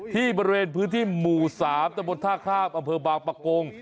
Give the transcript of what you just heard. บริเวณพื้นที่หมู่๓ตะบนท่าข้ามอำเภอบางปะโกง